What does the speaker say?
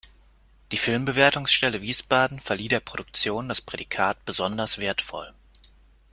Die Filmbewertungsstelle Wiesbaden verlieh der Produktion das Prädikat "besonders wertvoll".